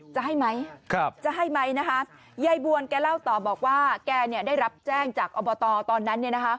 จะให้ไหมนะครับแย่บวนแกเล่าตอบบอกว่าแกได้รับแจ้งจากอบตตอนนั้น